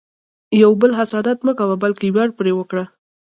د یو بل حسادت مه کوه، بلکې ویاړ پرې وکړه.